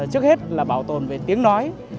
trước hết là bảo tồn về tiếng nói